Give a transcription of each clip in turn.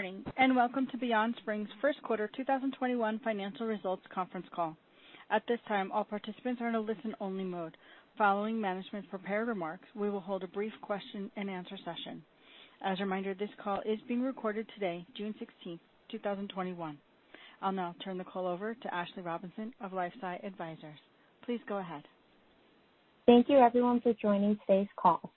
Good morning. Welcome to the BeyondSpring's first quarter 2021 financial results conference call. At this time, all participants are in a listen-only mode. Following management's prepared remarks, we will hold a brief question-and-answer session. As a reminder, this call is being recorded today, June 16th, 2021. I'll now turn the call over to Ashley Robinson of LifeSci Advisors. Please go ahead. Thank you everyone for joining today's call.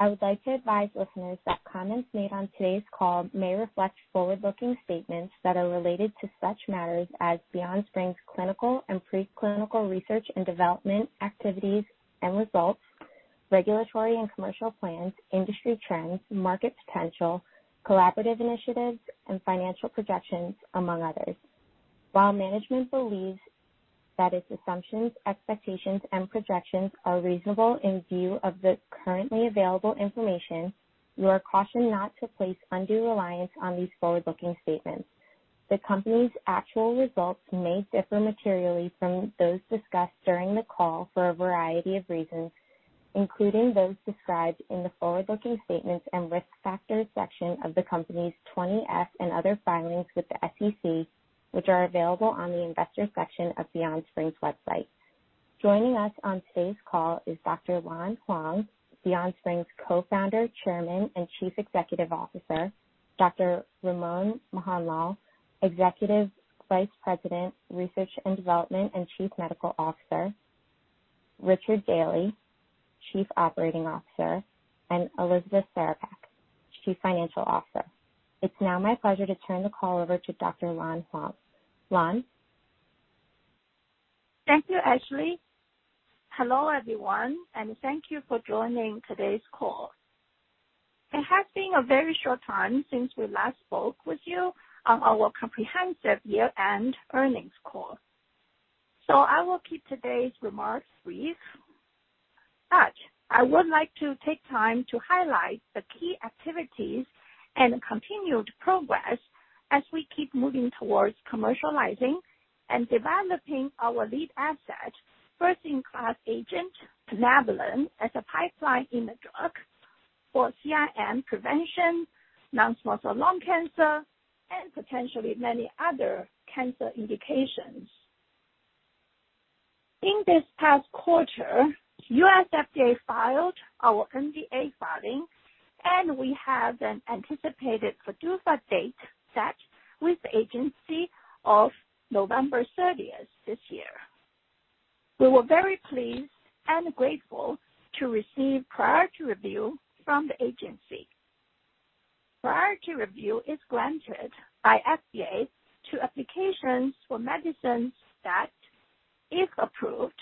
I would like to advise listeners that comments made on today's call may reflect forward-looking statements that are related to such matters as BeyondSpring's clinical and pre-clinical research and development activities and results, regulatory and commercial plans, industry trends, market potential, collaborative initiatives, and financial projections, among others. While management believes that its assumptions, expectations and projections are reasonable in view of the currently available information, you are cautioned not to place undue reliance on these forward-looking statements. The company's actual results may differ materially from those discussed during the call for a variety of reasons, including those described in the forward-looking statements and risk factors section of the company's 20-F and other filings with the SEC, which are available on the Investor section of BeyondSpring's website. Joining us on today's call is Dr. Lan Huang, BeyondSpring's Co-Founder, Chairman, and Chief Executive Officer. Dr. Ramon Mohanlal, Executive Vice President, Research and Development and Chief Medical Officer. Richard Daly, Chief Operating Officer, and Elizabeth Czerepak, Chief Financial Officer. It's now my pleasure to turn the call over to Dr. Lan Huang. Lan? Thank you, Ashley. Hello, everyone, and thank you for joining today's call. It has been a very short time since we last spoke with you on our comprehensive year-end earnings call. I will keep today's remarks brief, but I would like to take time to highlight the key activities and continued progress as we keep moving towards commercializing and developing our lead asset, first-in-class agent, plinabulin, as a pipeline in the drugs for CIN prevention, non-small cell lung cancer, and potentially many other cancer indications. In this past quarter, U.S. FDA filed our NDA filing, and we have an anticipated PDUFA date set with the agency of November 30th this year. We were very pleased and grateful to receive priority review from the agency. Priority review is granted by FDA to applications for medicines that, if approved,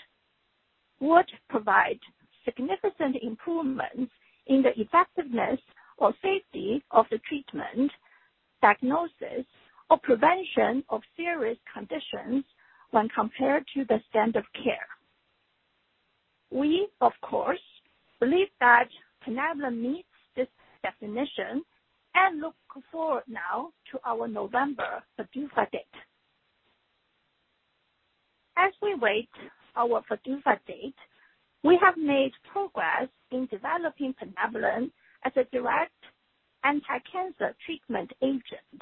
would provide significant improvements in the effectiveness or safety of the treatment, diagnosis, or prevention of serious conditions when compared to the standard of care. We, of course, believe that plinabulin meets this definition and look forward now to our November PDUFA date. As we await our PDUFA date, we have made progress in developing plinabulin as a direct anti-cancer treatment agent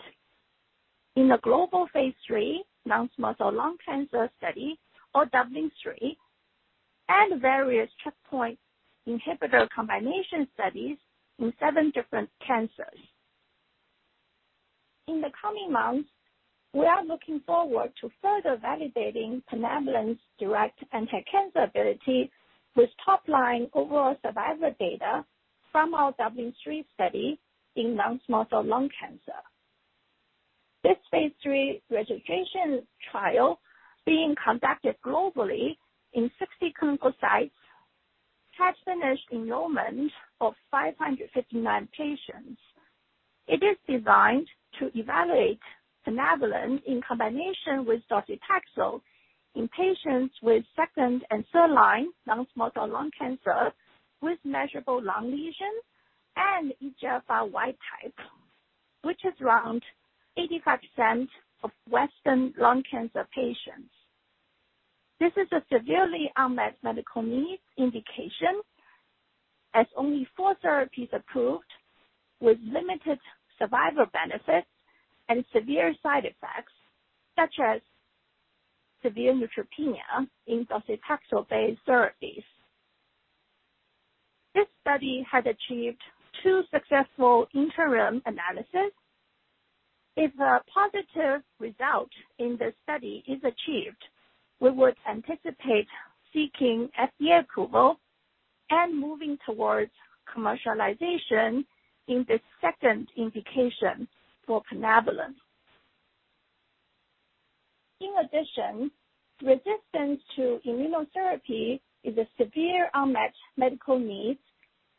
in the global phase III non-small cell lung cancer study, or DUBLIN-3, and various checkpoint inhibitor combination studies in seven different cancers. In the coming months, we are looking forward to further validating plinabulin's direct anti-cancer ability with top-line overall survival data from our DUBLIN-3 study in non-small cell lung cancer. This phase III registration trial being conducted globally in 60 clinical sites, has finished enrollment of 559 patients. It is designed to evaluate plinabulin in combination with docetaxel in patients with second and third-line non-small cell lung cancer with measurable lung lesions and EGFR wild type, which is around 85% of Western lung cancer patients. This is a severely unmet medical need indication as only four therapies approved with limited survival benefits and severe side effects, such as severe neutropenia in docetaxel-based therapies. This study has achieved two successful interim analyses. If a positive result in this study is achieved, we would anticipate seeking FDA approval and moving towards commercialization in this second indication for plinabulin. In addition, resistance to immunotherapy is a severe unmet medical need,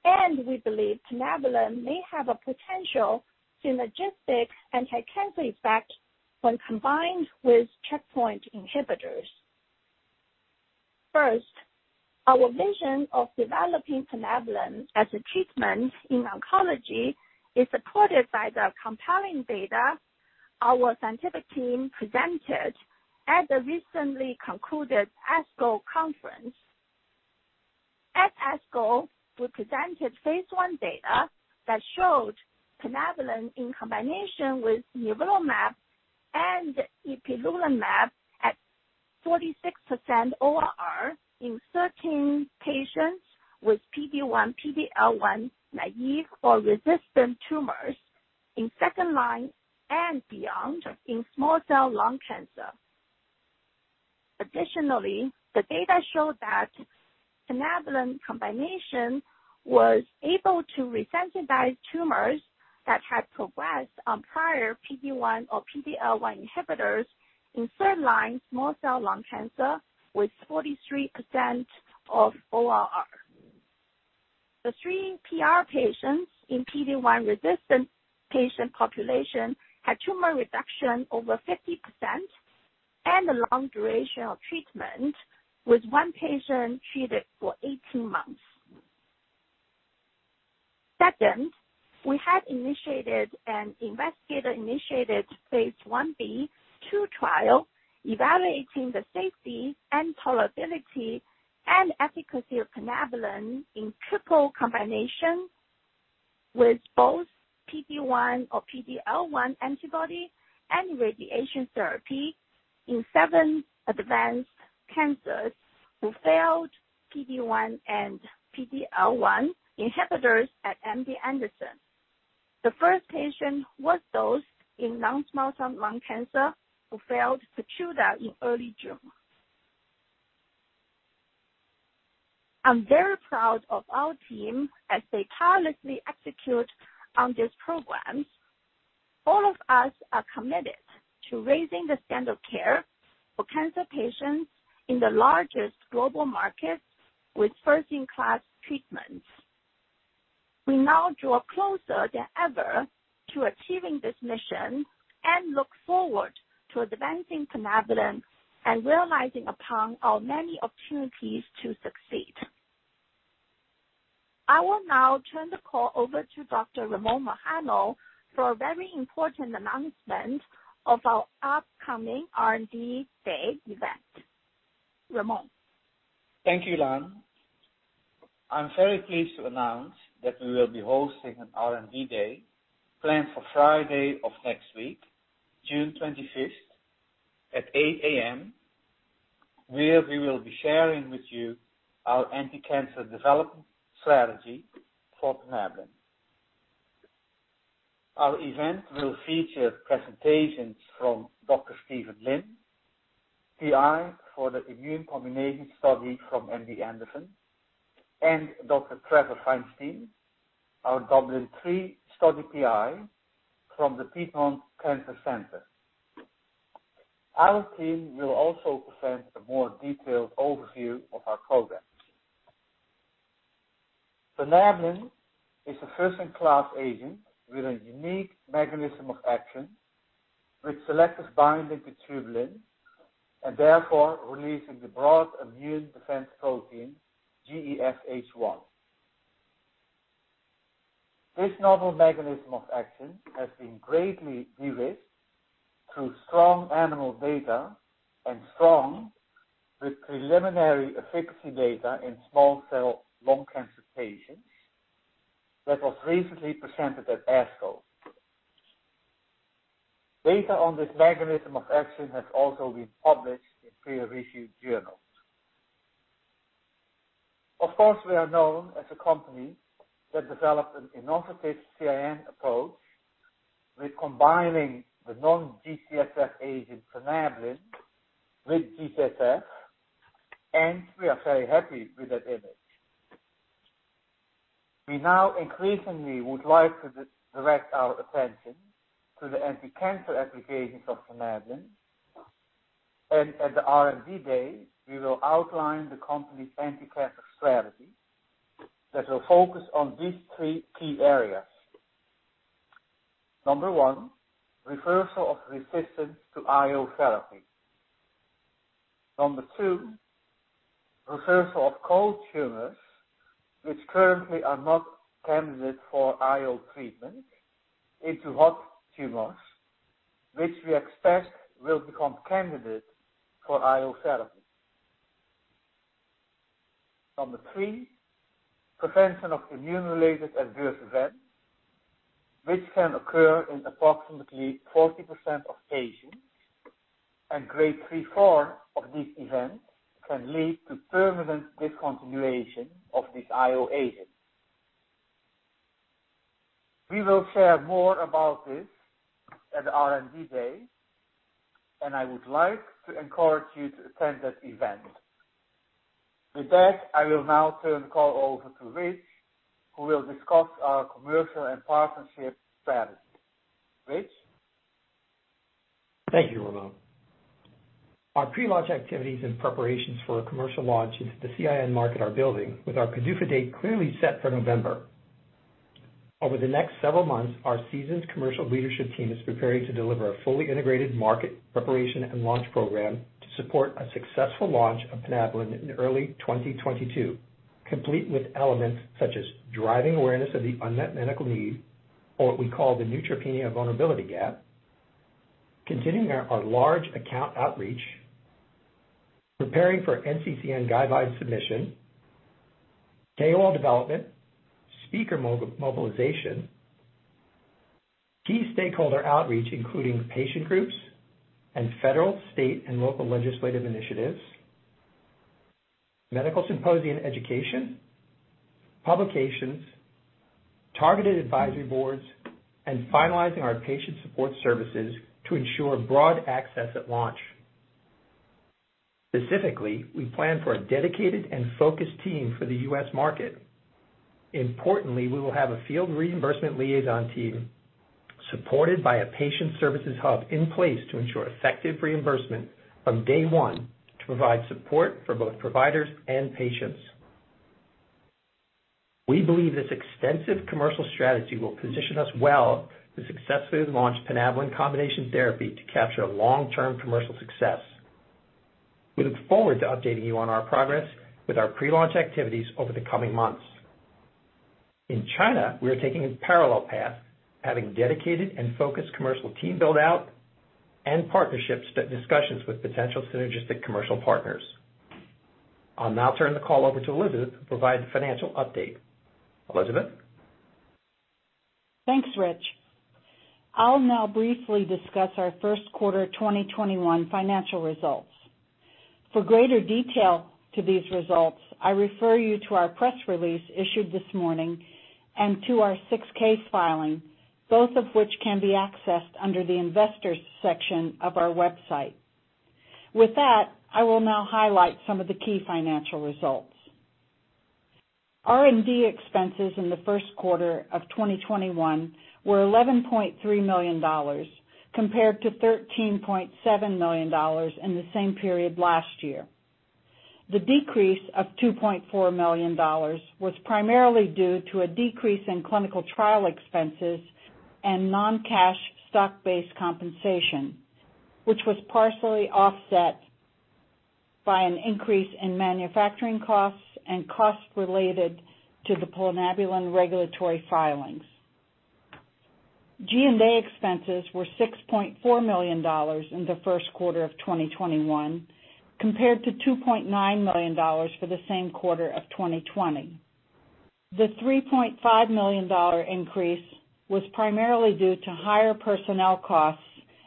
and we believe plinabulin may have a potential synergistic anti-cancer effect when combined with checkpoint inhibitors. First, our vision of developing plinabulin as a treatment in oncology is supported by the compelling data our scientific team presented at the recently concluded ASCO conference. At ASCO, we presented phase I data that showed plinabulin in combination with nivolumab and ipilimumab had 46% ORR in 13 patients with PD-1, PD-L1 naive or resistant tumors in second-line and beyond in small cell lung cancer. Additionally, the data showed that plinabulin combination was able to re-sensitize tumors that had progressed on prior PD-1 or PD-L1 inhibitors in third-line small cell lung cancer with 43% of ORR. The three PR patients in PD-1 resistant patient population had tumor reduction over 50% and a long duration of treatment, with one patient treated for 18 months. Second, we have initiated an investigator-initiated phase I-B/II trial evaluating the safety and tolerability and efficacy of plinabulin in triple combination with both PD-1 or PD-L1 antibody and radiation therapy in seven advanced cancers who failed PD-1 and PD-L1 inhibitors at MD Anderson. The first patient was dosed in lung small cell lung cancer who failed Keytruda in early June. I'm very proud of our team as they tirelessly execute on this program. All of us are committed to raising the standard of care for cancer patients in the largest global markets with first-in-class treatments. We now draw closer than ever to achieving this mission and look forward to advancing plinabulin and realizing upon our many opportunities to succeed. I will now turn the call over to Dr. Ramon Mohanlal for a very important announcement of our upcoming R&D Day event. Ramon. Thank you, Lan. I'm very pleased to announce that we will be hosting an R&D Day planned for Friday of next week, June 25th at 8:00 A.M., where we will be sharing with you our anti-cancer development strategy for plinabulin. Our event will feature presentations from Dr. Steven Lin, PI for the immune combination study from MD Anderson, and Dr. Trevor Feinstein, our DUBLIN-3 study PI from the Piedmont Cancer Institute. Our team will also present a more detailed overview of our program. Plinabulin is a first-in-class agent with a unique mechanism of action with selective binding to tubulin, and therefore releasing the broad immune defense protein, GEF-H1. This novel mechanism of action has been greatly de-risked through strong animal data and strong with preliminary efficacy data in small cell lung cancer patients that was recently presented at ASCO. Data on this mechanism of action has also been published in peer-reviewed journals. Of course, we are known as a company that developed an innovative CIN approach with combining the non-G-CSF agent plinabulin with G-CSF, and we are very happy with that image. We now increasingly would like to direct our attention to the anti-cancer applications of plinabulin, and at the R&D Day, we will outline the company's anti-cancer strategy that will focus on these three key areas. Number one, reversal of resistance to IO therapy. Number two, reversal of cold tumors, which currently are not candidate for IO treatment, into hot tumors, which we expect will become candidate for IO therapy. Number three, prevention of immune-related adverse events, which can occur in approximately 40% of patients, and grade III/IV of these events can lead to permanent discontinuation of these IO agents. We will share more about this at R&D Day. I would like to encourage you to attend that event. With that, I will now turn the call over to Rich, who will discuss our commercial and partnership strategy. Rich. Thank you, Ramon. Our pre-launch activities and preparations for our commercial launch into the CIN market are building, with our PDUFA date clearly set for November. Over the next several months, our seasoned commercial leadership team is preparing to deliver a fully integrated market preparation and launch program to support a successful launch of plinabulin in early 2022, complete with elements such as driving awareness of the unmet medical need or what we call the neutropenia vulnerability gap. Continuing our large account outreach, preparing for NCCN guideline submission, KOL development, speaker mobilization, key stakeholder outreach, including patient groups and federal, state, and local legislative initiatives, medical symposia and education, publications, targeted advisory boards, and finalizing our patient support services to ensure broad access at launch. Specifically, we plan for a dedicated and focused team for the U.S. market. Importantly, we will have a field reimbursement liaison team supported by a patient services hub in place to ensure effective reimbursement from day one to provide support for both providers and patients. We believe this extensive commercial strategy will position us well to successfully launch plinabulin combination therapy to capture long-term commercial success. We look forward to updating you on our progress with our pre-launch activities over the coming months. In China, we are taking a parallel path, having dedicated and focused commercial team build-out and partnerships discussions with potential synergistic commercial partners. I'll now turn the call over to Elizabeth to provide the financial update. Elizabeth? Thanks, Rich. I'll now briefly discuss our first quarter 2021 financial results. For greater detail to these results, I refer you to our press release issued this morning and to our 6-K filing, both of which can be accessed under the Investors section of our website. I will now highlight some of the key financial results. R&D expenses in the first quarter of 2021 were $11.3 million, compared to $13.7 million in the same period last year. The decrease of $2.4 million was primarily due to a decrease in clinical trial expenses and non-cash stock-based compensation, which was partially offset by an increase in manufacturing costs and costs related to the plinabulin regulatory filings. G&A expenses were $6.4 million in the first quarter of 2021, compared to $2.9 million for the same quarter of 2020. The $3.5 million increase was primarily due to higher personnel costs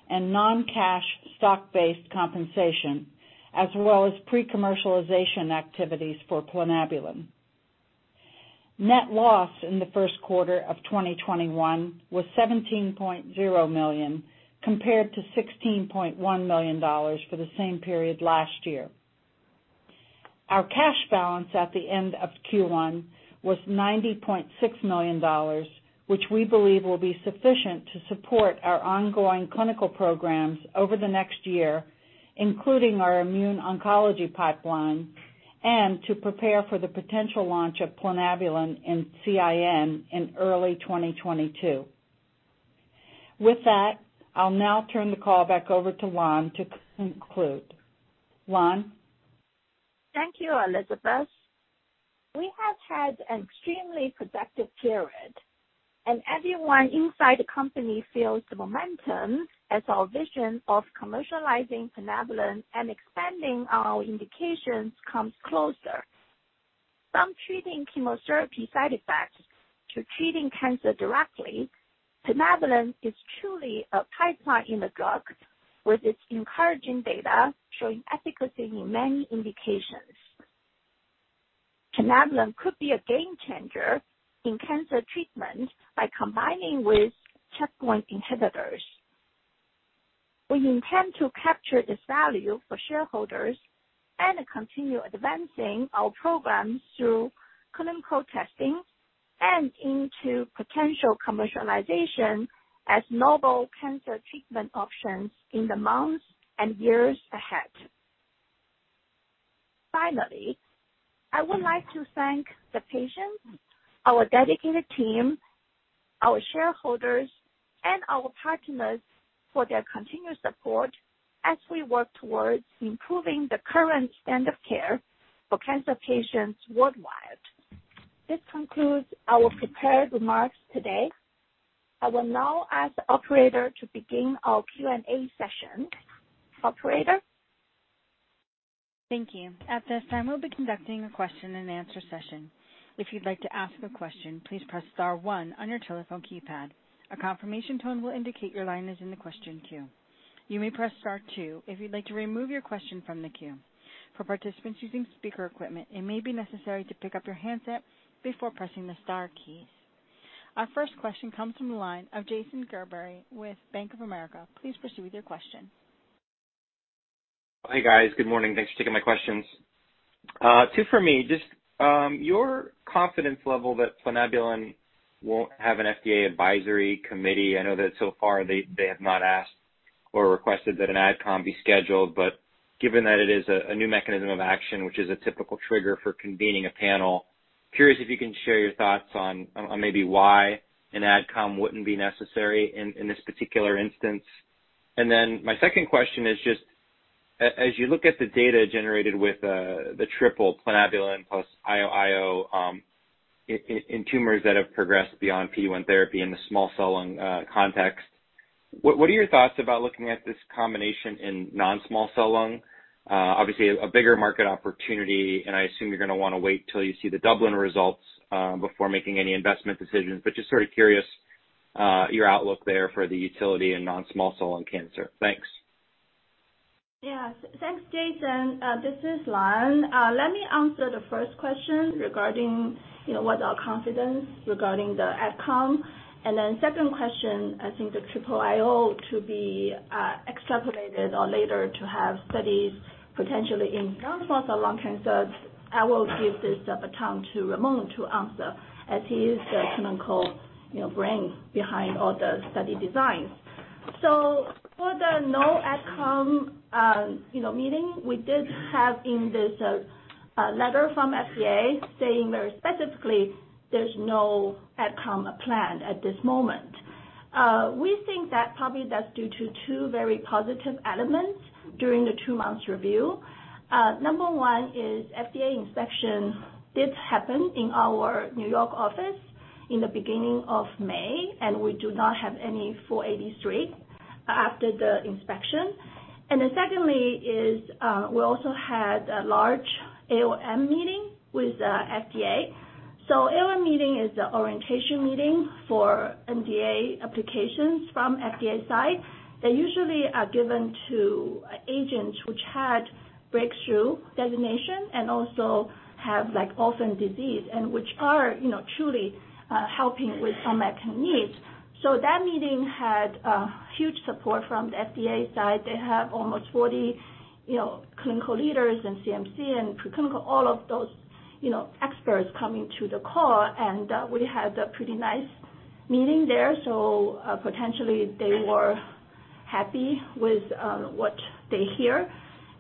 and non-cash stock-based compensation, as well as pre-commercialization activities for plinabulin. Net loss in the first quarter of 2021 was $17.0 million, compared to $16.1 million for the same period last year. Our cash balance at the end of Q1 was $90.6 million, which we believe will be sufficient to support our ongoing clinical programs over the next year, including our immuno-oncology pipeline, and to prepare for the potential launch of plinabulin in CIN in early 2022. With that, I'll now turn the call back over to Lan to conclude. Lan? Thank you, Elizabeth. We have had an extremely productive period, and everyone inside the company feels the momentum as our vision of commercializing plinabulin and expanding our indications comes closer. From treating chemotherapy side effects to treating cancer directly, plinabulin is truly a pipeline in a drug, with its encouraging data showing efficacy in many indications. Plinabulin could be a game changer in cancer treatment by combining with checkpoint inhibitors. We intend to capture this value for shareholders and continue advancing our programs through clinical testing and into potential commercialization as novel cancer treatment options in the months and years ahead. Finally, I would like to thank the patients, our dedicated team, our shareholders, and our partners for their continued support as we work towards improving the current standard of care for cancer patients worldwide. This concludes our prepared remarks today. I will now ask the operator to begin our Q&A session. Operator? Thank you. At this time, we'll be conducting a question and answer session. Our first question comes from the line of Jason Gerberry with Bank of America. Please proceed with your question. Hey, guys. Good morning. Thanks for taking my questions. Two for me. Just your confidence level that plinabulin won't have an FDA Advisory Committee. I know that so far they have not asked or requested that an AdCom be scheduled, but given that it is a new mechanism of action, which is a typical trigger for convening a panel, curious if you can share your thoughts on maybe why an AdCom wouldn't be necessary in this particular instance. My second question is just as you look at the data generated with the triple plinabulin plus IO in tumors that have progressed beyond PD-1 therapy in the small cell lung context, what are your thoughts about looking at this combination in non-small cell lung? Obviously, a bigger market opportunity, and I assume you're going to want to wait till you see the Dublin results before making any investment decisions. Just very curious your outlook there for the utility in non-small cell lung cancer. Thanks. Yes. Thanks, Jason. This is Lan. Let me answer the first question regarding what our confidence regarding the AdCom. Second question, I think the triple IO to be extrapolated or later to have studies potentially in non-small cell lung cancer. I will give this time to Ramon to answer as he is the clinical brain behind all the study designs. For the no AdCom meeting, we did have in this a letter from FDA saying very specifically, there's no AdCom plan at this moment. We think that probably that's due to two very positive elements during the two-month review. Number one is FDA inspection did happen in our New York office in the beginning of May, and we do not have any 483 after the inspection. Secondly is we also had a large AOM meeting with FDA. AOM meeting is the orientation meeting for NDA applications from FDA side. They usually are given to agents which had breakthrough designation and also have orphan disease and which are truly helping with unmet needs. That meeting had huge support from FDA side. They have almost 40 clinical leaders in CMC and clinical, all of those experts coming to the call, and we had a pretty nice meeting there. Potentially they were happy with what they hear.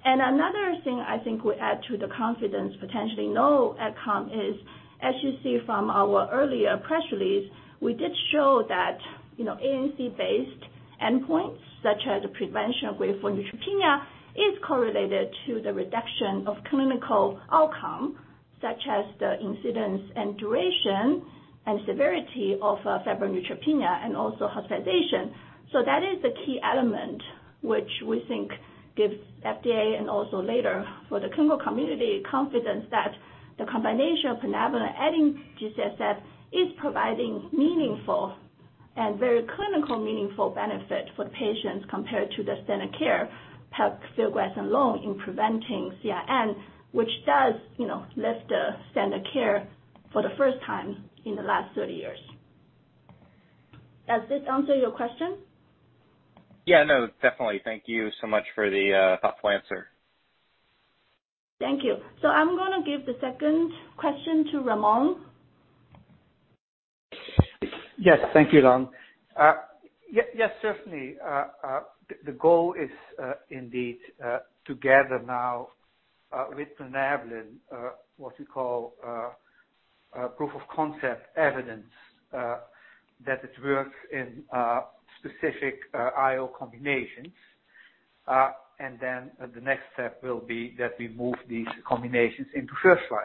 Another thing I think will add to the confidence, potentially no AdCom is, as you see from our earlier press release, we did show that ANC-based endpoints, such as prevention of peripheral neutropenia, is correlated to the reduction of clinical outcome, such as the incidence and duration and severity of severe neutropenia and also hospitalization. That is a key element which we think gives FDA and also later for the clinical community confidence that the combination of plinabulin adding to that is providing meaningful and very clinical meaningful benefit for patients compared to the standard care, pegfilgrastim alone in preventing CIN, which does lift the standard care for the first time in the last 30 years. Does this answer your question? Yeah, no, definitely. Thank you so much for the thoughtful answer. Thank you. I'm going to give the second question to Ramon. Yes. Thank you, Lan. Certainly, the goal is indeed to gather now with plinabulin, what you call proof of concept evidence, that it works in specific IO combinations. The next step will be that we move these combinations into first line.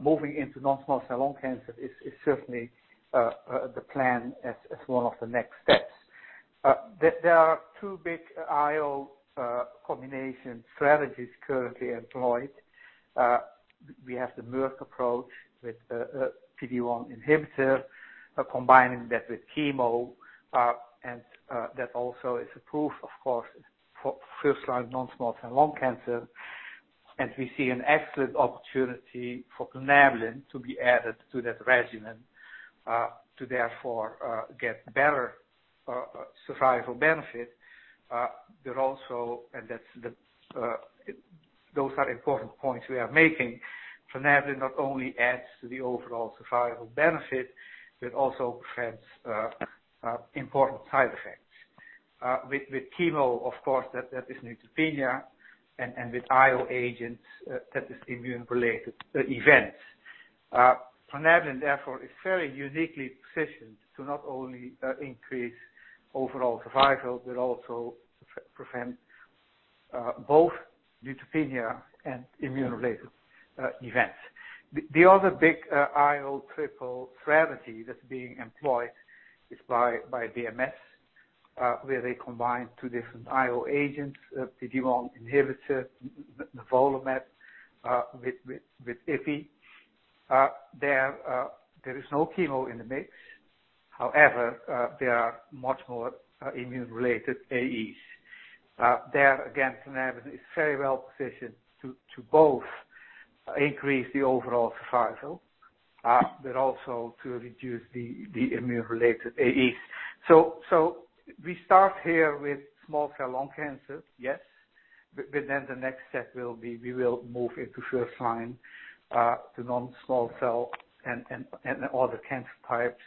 Moving into non-small cell lung cancer is certainly the plan as one of the next steps. There are two big IO combination strategies currently employed. We have the Merck approach with PD-1 inhibitor, combining that with chemo, and that also is a proof, of course, for first-line non-small cell lung cancer. We see an excellent opportunity for plinabulin to be added to that regimen to therefore get better survival benefit. Those are important points we are making. Plinabulin not only adds to the overall survival benefit, but also prevents important side effects. With chemo, of course, that is neutropenia, and with IO agent, that is immune-related events. Plinabulin, therefore, is very uniquely positioned to not only increase overall survival but also prevent both neutropenia and immune-related events. The other big IO triple strategy that's being employed is by BMS, where they combine two different IO agents, PD-1 inhibitor, nivolumab with ipi. There is no chemo in the mix. However, there are much more immune-related AEs. There, again, plinabulin is very well positioned to both increase the overall survival but also to reduce the immune-related AEs. We start here with small cell lung cancer, yes. The next step will be we will move into first line, the non-small cell and other cancer types,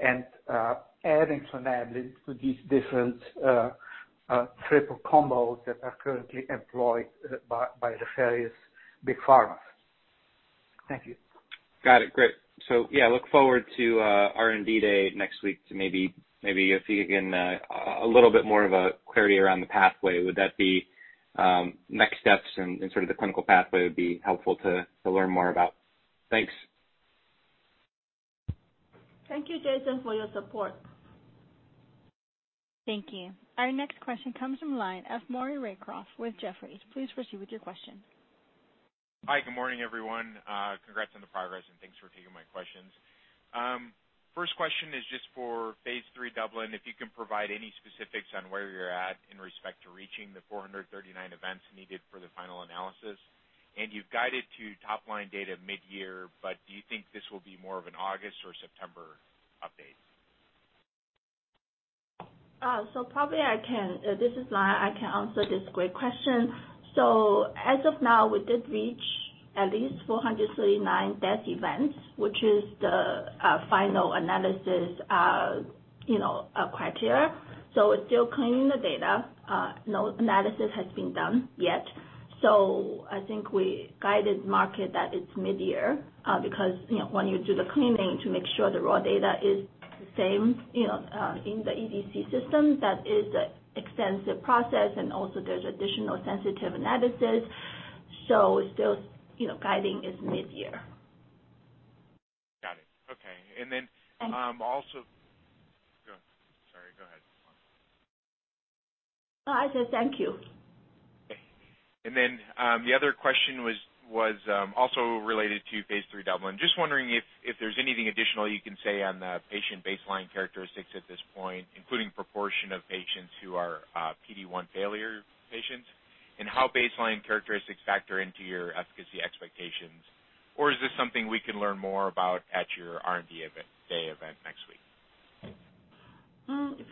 and adding plinabulin to these different triple combos that are currently employed by the various big pharmas. Thank you. Got it. Great. Yeah, look forward to R&D Day next week to maybe see, again, a little bit more of a query around the pathway. Would that be next steps in sort of the clinical pathway would be helpful to learn more about? Thanks. Thank you, Jason, for your support. Thank you. Our next question comes from the line of Maury Raycroft with Jefferies. Please proceed with your question. Hi, good morning, everyone. Congrats on the progress, and thanks for taking my questions. First question is just for phase III DUBLIN-3. If you can provide any specifics on where you're at in respect to reaching the 439 events needed for the final analysis, and you've guided to top-line data mid-year, but do you think this will be more of an August or September update? This is Lan. I can answer this great question. As of now, we did reach at least 439 death events, which is the final analysis criteria. We're still cleaning the data. No analysis has been done yet. I think we guided market that it's mid-year because when you do the cleaning to make sure the raw data is the same in the EDC system, that is an extensive process, and also there's additional sensitive analysis. We're still guiding it mid-year. Got it. Okay. Also Go. Sorry, go ahead. No, it's okay. Thank you. Okay. The other question was also related to phase III DUBLIN-3. Just wondering if there's anything additional you can say on the patient baseline characteristics at this point, including proportion of patients who are PD-1 failure patients, and how baseline characteristics factor into your efficacy expectations. Is this something we can learn more about at your R&D Day event next week?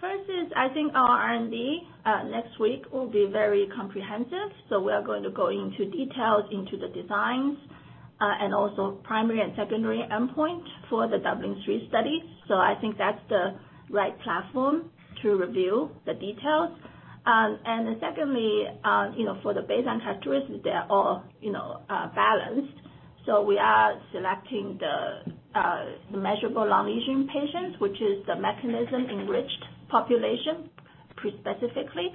First, I think our R&D next week will be very comprehensive. We are going to go into details into the designs, and also primary and secondary endpoint for the DUBLIN-3 phase III study. I think that's the right platform to review the details. Secondly, for the baseline characteristics, they're all balanced. We are selecting the measurable non-Asian patients, which is the mechanism-enriched population pre-specifically.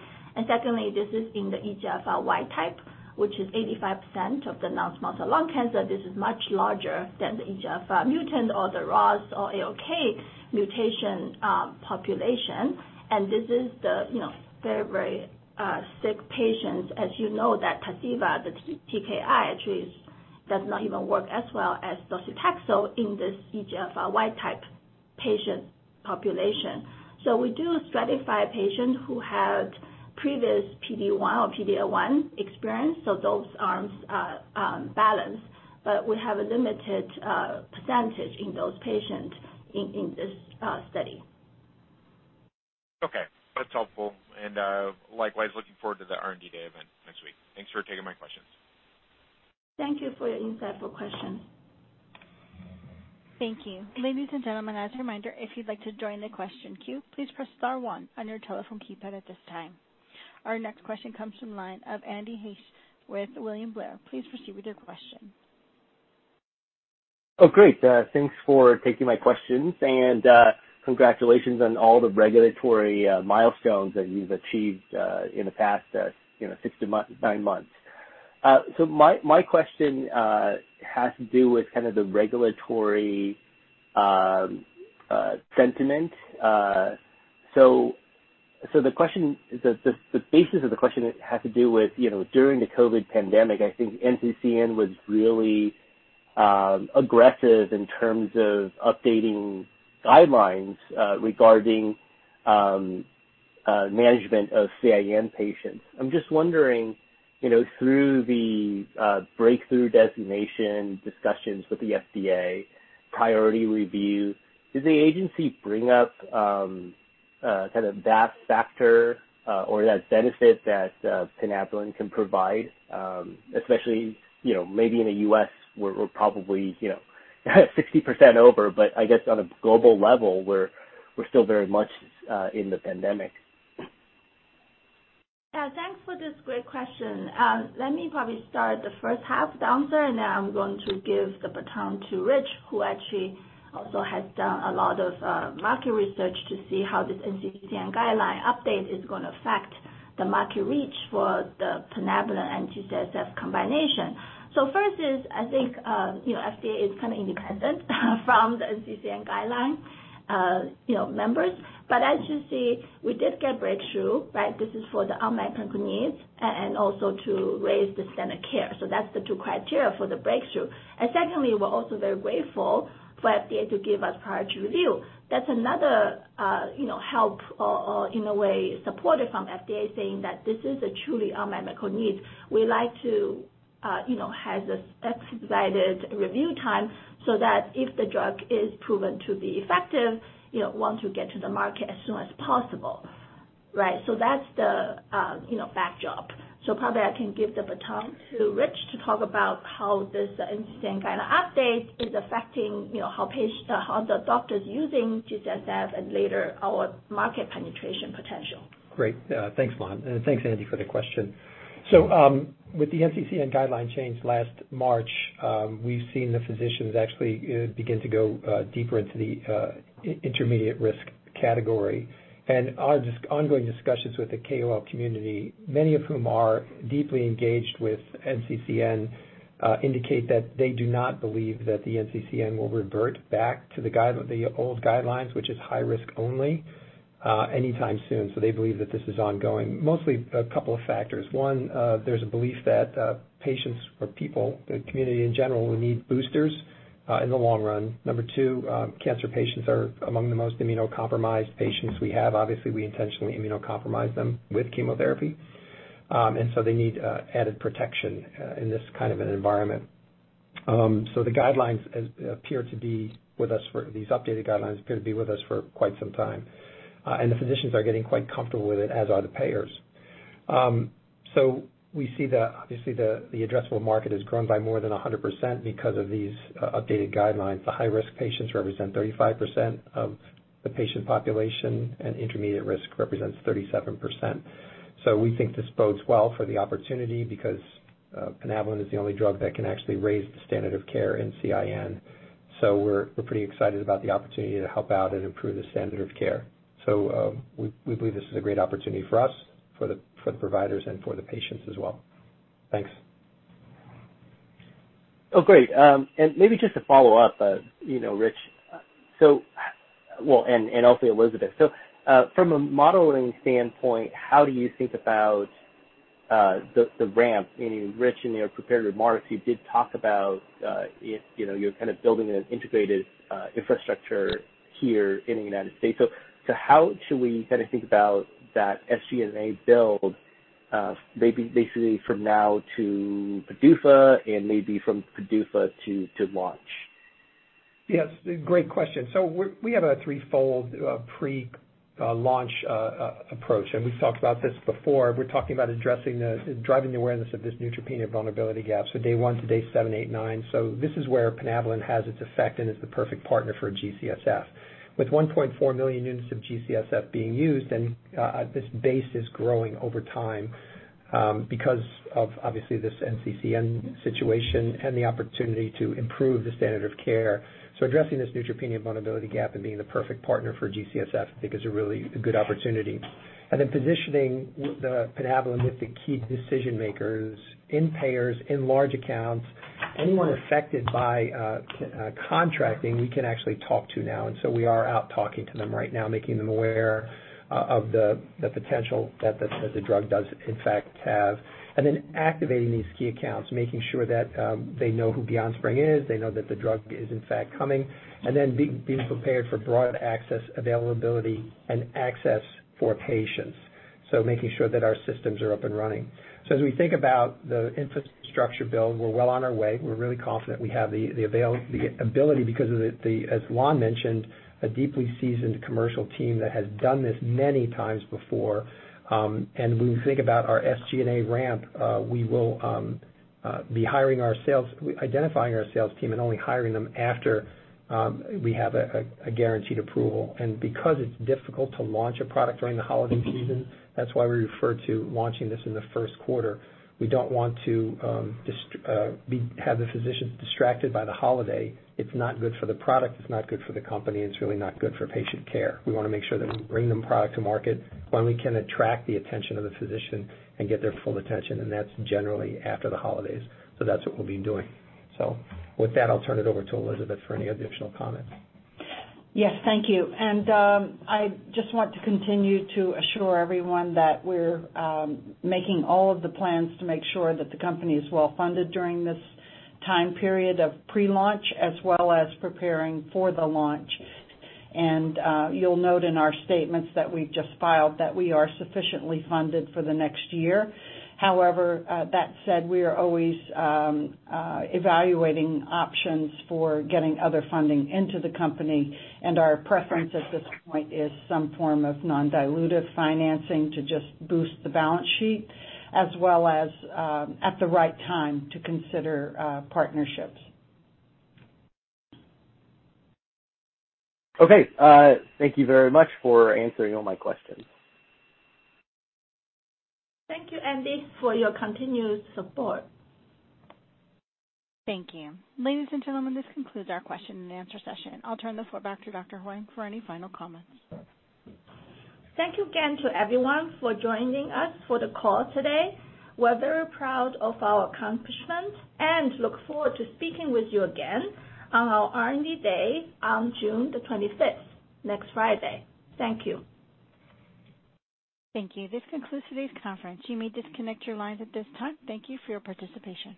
Secondly, this is in the EGFR wild type, which is 85% of the non-small cell lung cancer. This is much larger than the EGFR mutant or the ROS or ALK mutation population. This is the very sick patients, as you know, that pazopanib, the TKI, actually does not even work as well as docetaxel in this EGFR wild type patient population. We do stratify patients who had previous PD-1 or PD-L1 experience, so those arms balance. We have a limited percentage in those patients in this study. Okay, that's helpful. Likewise, looking forward to the R&D Day event next week. Thanks for taking my questions. Thank you for your insightful question. Thank you. Ladies and gentlemen, as a reminder, if you'd like to join the question queue, please press star one on your telephone keypad at this time. Our next question comes from the line of Andy Hsieh with William Blair. Please proceed with your question. Great. Thanks for taking my questions. Congratulations on all the regulatory milestones that you've achieved in the past six to nine months. My question has to do with kind of the regulatory sentiment. The basis of the question has to do with, during the COVID pandemic, I think NCCN was really aggressive in terms of updating guidelines regarding management of CIN patients. I'm just wondering, through the breakthrough designation discussions with the FDA priority review, did the agency bring up kind of that factor or that benefit that plinabulin can provide? Especially, maybe in the U.S., we're probably 60% over, but I guess on a global level, we're still very much in the pandemic. Yeah, thanks for this great question. Let me probably start the first half the answer, then I'm going to give the baton to Rich, who actually also has done a lot of market research to see how this NCCN guideline update is going to affect the market reach for the plinabulin and G-CSF combination. First is, I think FDA is kind of independent from the NCCN guideline members. As you see, we did get breakthrough. This is for the unmet medical needs and also to raise the standard of care. That's the two criteria for the breakthrough. Secondly, we're also very grateful for FDA to give us priority review. That's another help, or in a way, supported from FDA saying that this is a truly unmet medical need. We like to have this expedited review time so that if the drug is proven to be effective, want to get to the market as soon as possible. Right. That's the backdrop. Probably I can give the baton to Rich to talk about how this NCCN guideline update is affecting how the doctors using G-CSF and later our market penetration potential. Great. Thanks, Lan. Thanks, Andy, for the question. With the NCCN guideline change last March, we've seen the physicians actually begin to go deeper into the intermediate risk category. Ongoing discussions with the KOL community, many of whom are deeply engaged with NCCN, indicate that they do not believe that the NCCN will revert back to the old guidelines, which is high risk only, anytime soon. They believe that this is ongoing. Mostly a couple of factors. One, there's a belief that patients or people, the community in general, will need boosters in the long run. Number two, cancer patients are among the most immunocompromised patients we have. Obviously, we intentionally immunocompromise them with chemotherapy, and so they need added protection in this kind of an environment. The updated guidelines appear to be with us for quite some time, and the physicians are getting quite comfortable with it, as are the payers. We see that obviously the addressable market has grown by more than 100% because of these updated guidelines. The high-risk patients represent 35% of the patient population, and intermediate risk represents 37%. We think this bodes well for the opportunity because plinabulin is the only drug that can actually raise the standard of care in CIN. We're pretty excited about the opportunity to help out and improve the standard of care. We believe this is a great opportunity for us, for the providers, and for the patients as well. Thanks. Oh, great. Maybe just to follow up, Rich, and also Elizabeth. From a modeling standpoint, how do you think about the ramp? Rich, in your prepared remarks, you did talk about you're building an integrated infrastructure here in the U.S. How should we think about that SG&A build, maybe basically from now to PDUFA and maybe from PDUFA to launch? Yes, great question. We have a threefold pre-launch approach, and we've talked about this before. We're talking about addressing this and driving awareness of this neutropenia vulnerability gap, day one to day seven, eight, nine. This is where plinabulin has its effect and is the perfect partner for G-CSF. With 1.4 million units of G-CSF being used and this base is growing over time because of, obviously, this NCCN situation and the opportunity to improve the standard of care. Addressing this neutropenia vulnerability gap and being the perfect partner for G-CSF, I think is a really good opportunity. Positioning the plinabulin with the key decision makers in payers, in large accounts, anyone affected by contracting, we can actually talk to now. We are out talking to them right now, making them aware of the potential that the drug does in fact have. Activating these key accounts, making sure that they know who BeyondSpring is, they know that the drug is in fact coming, and then being prepared for broad access, availability, and access for patients. Making sure that our systems are up and running. As we think about the infrastructure build, we're well on our way. We're really confident we have the ability because, as Lan mentioned, a deeply seasoned commercial team that has done this many times before. When we think about our SG&A ramp, we will be identifying our sales team and only hiring them after we have a guaranteed approval. Because it's difficult to launch a product during the holiday season, that's why we refer to launching this in the first quarter. We don't want to have the physicians distracted by the holiday. It's not good for the product, it's not good for the company, it's really not good for patient care. We want to make sure that we bring the product to market when we can attract the attention of the physician and get their full attention, and that's generally after the holidays. That's what we'll be doing. With that, I'll turn it over to Elizabeth for any additional comments. Yes, thank you. I just want to continue to assure everyone that we're making all of the plans to make sure that the company is well funded during this time period of pre-launch, as well as preparing for the launch. You'll note in our statements that we've just filed that we are sufficiently funded for the next year. However, that said, we are always evaluating options for getting other funding into the company, and our preference at this point is some form of non-dilutive financing to just boost the balance sheet as well as, at the right time, to consider partnerships. Okay. Thank you very much for answering all my questions. Thank you, Andy, for your continued support. Thank you. Ladies and gentlemen, this concludes our question and answer session. I'll turn the floor back to Dr. Huang for any final comments. Thank you again to everyone for joining us for the call today. We're very proud of our accomplishments and look forward to speaking with you again on our R&D day on June the 26th, next Friday. Thank you. Thank you. This concludes today's conference. You may disconnect your lines at this time. Thank you for your participation.